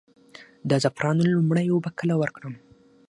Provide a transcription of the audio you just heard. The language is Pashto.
د زعفرانو لومړۍ اوبه کله ورکړم؟